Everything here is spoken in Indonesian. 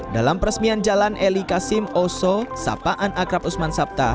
dalam peresmian jalan eli kasim oso sapaan akrab usman sabta